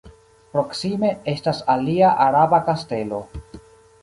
Proksime estas alia araba kastelo.